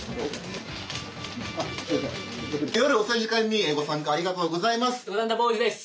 夜遅い時間にご参加ありがとうございます。